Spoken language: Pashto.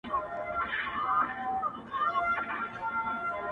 سردونو ویښ نه کړای سو.